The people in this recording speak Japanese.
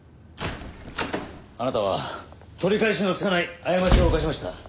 あなたは取り返しのつかない過ちを犯しました。